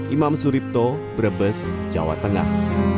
imam suripto brebes jawa tengah